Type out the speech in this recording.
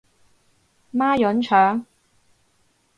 孖膶腸